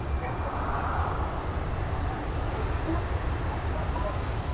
Cakei nih a seh i sarthih in a thi.